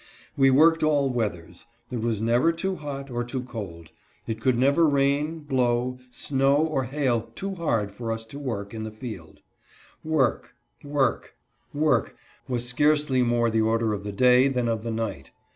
We worked all weathers. It was never too hot, or too cold; it could never rain, blow, snow, or hail too hard for us to work in the field. Work, work, work, was scarcely more the order of the day than of the night.